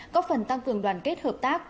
có phần tăng cường đoàn kết hợp tác